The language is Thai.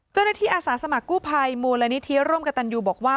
เจ้าหน้าที่อาศาสรรค์กู้ภัยมูลและนิทีรป์และกับตันยูบอกว่า